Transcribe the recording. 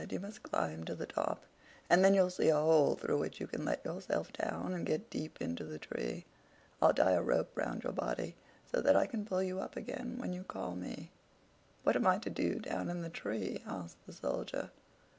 You must climb to the top, and then you'll see a hole, through which you can let yourself down and get deep into the tree. I'll tie a rope round your body, so that I can pull you up again when you call me." "What am I to do down in the tree?" asked the Soldier.